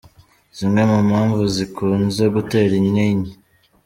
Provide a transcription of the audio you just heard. Zimwe mu mpamvu zikunze gutera intinyi:.